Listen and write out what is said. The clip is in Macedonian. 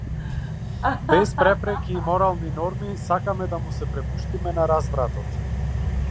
Без препреки и морални норми сакаме да му се препуштиме на развратот.